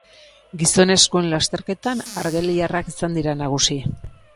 Gizonezkoen lasterketan argeliarrak izan dira nagusi.